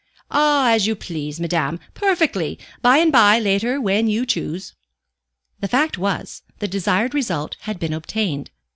"Oh, as you please, madame. Perfectly. By and by, later, when you choose." The fact was, the desired result had been obtained.